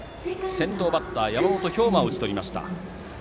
先頭バッター、山本彪真を打ち取りました。